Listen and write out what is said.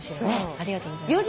ありがとうございます。